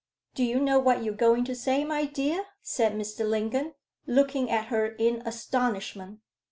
"Do you know what you are going to say, my dear?" said Mr. Lingon, looking at her in astonishment.